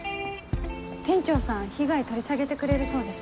店長さん被害取り下げてくれるそうです。